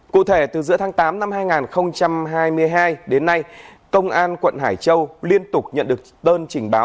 cụ thể từ giữa tháng tám năm hai nghìn hai mươi hai đến nay công an quận hải châu liên tục nhận được đơn trình báo